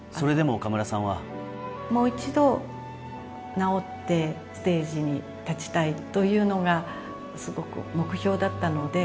もう一度、治って、ステージに立ちたいというのが、すごく目標だったので。